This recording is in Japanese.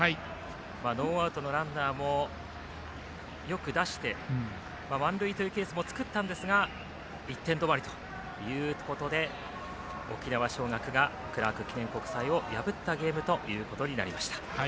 ノーアウトのランナーもよく出して満塁というケースも作ったんですが１点止まりということで沖縄尚学がクラーク記念国際を破ったゲームということになりました。